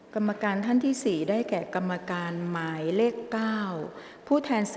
กรรมการท่านแรกนะคะได้แก่กรรมการใหม่เลขกรรมการขึ้นมาแล้วนะคะ